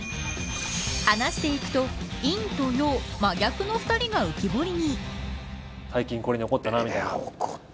話していくと、陰と陽真逆の２人が浮き彫りに。